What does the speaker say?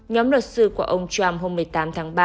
nhóm luật sư của ông trump hôm một mươi tám tháng ba